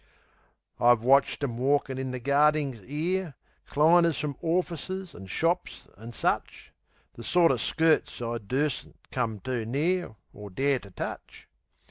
I've watched 'em walkin' in the gardings 'ere Cliners from orfices an' shops an' such; The sorter skirts I dursn't come too near, Or dare to touch.